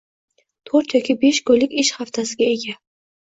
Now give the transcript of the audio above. To‘rt yoki besh kunlik ish haftasiga ega.